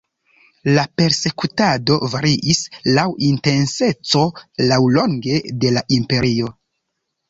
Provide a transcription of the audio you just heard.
La persekutado variis laŭ intenseco laŭlonge de la imperio.